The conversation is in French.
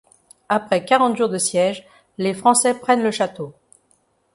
Après quarante jours de siège, les Français prennent le château.